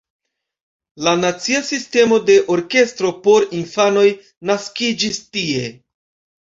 La nacia sistemo de orkestro por infanoj naskiĝis tie.